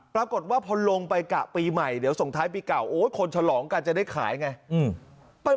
ปรากฏว่าพอลงไปกะปีใหม่เดี๋ยวส่งท้ายปีเก่าโอ้ยคนฉลองกันจะได้ขายไง